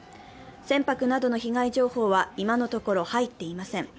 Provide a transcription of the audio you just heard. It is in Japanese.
船舶などの被害情報は今のところ入っていません。